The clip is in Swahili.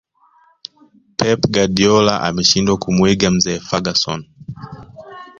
pep guardiola ameshindwa kumuiga mzee ferguson